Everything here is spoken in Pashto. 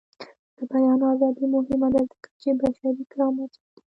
د بیان ازادي مهمه ده ځکه چې بشري کرامت ساتي.